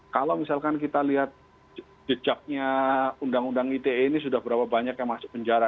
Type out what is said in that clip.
kalau misalkan kita lihat jejaknya undang undang ite ini sudah berapa banyak yang masuk penjara